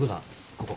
ここ。